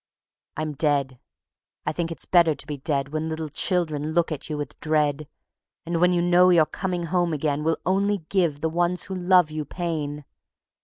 I'm dead. I think it's better to be dead When little children look at you with dread; And when you know your coming home again Will only give the ones who love you pain.